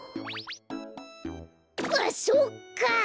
あっそっか！